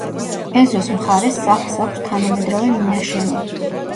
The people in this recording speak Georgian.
ეზოს მხარეს სახლს აქვს თანამედროვე მინაშენი.